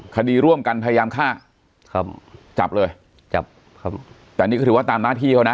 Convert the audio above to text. คดีร่วมกันพยายามฆ่าครับจับเลยจับครับแต่นี่ก็ถือว่าตามหน้าที่เขานะ